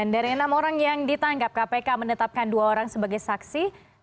dari enam orang yang ditangkap kpk menetapkan dua orang sebagai saksi